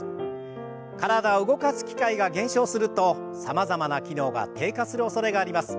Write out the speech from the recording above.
体を動かす機会が減少するとさまざまな機能が低下するおそれがあります。